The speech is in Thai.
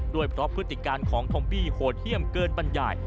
ด้วยเพราะพฤติการของทอมบี้โหดเยี่ยมเกินบรรยาย